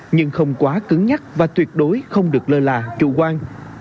nhưng không quá cứng nhắc và tuyệt đối không được lơ là chủ quan